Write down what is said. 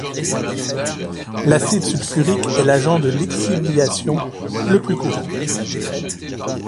L'acide sulfurique est l'agent de lixiviation le plus courant.